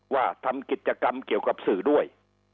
ว่าทำกิจกรรมเกี่ยวกับสื่อด้วย